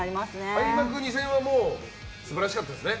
開幕２戦は素晴らしかったですね